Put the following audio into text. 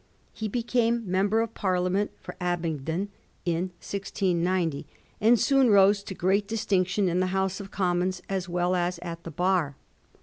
He became Member of Parliament for Abingdon in 1690, and soon rose to great distinc tion in the House of Commons as well as at the Bar.